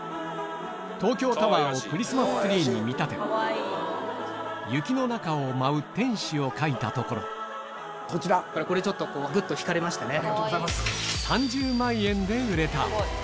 東京タワーをクリスマスツリーに見立て雪の中を舞う天使を描いたところこれちょっとこうグッと引かれましてね。